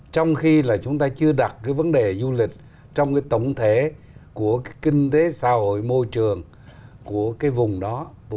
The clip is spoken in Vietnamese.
trong khi là chúng ta chưa đặt cái vấn đề du lịch trong cái tổng thể của kinh tế xã hội môi trường của cái vùng đó